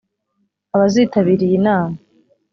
Abazitabira iyi nama